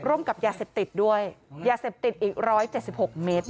ร่วมกับยาเสพติดด้วยยาเสพติดอีกร้อยเจสสิบหกเมตร